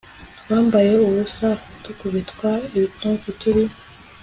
twambaye ubusa dukubitwa ibipfunsi turi